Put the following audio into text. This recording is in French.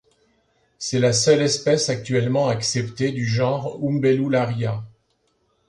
C'est la seule espèce actuellement acceptée du genre Umbellularia.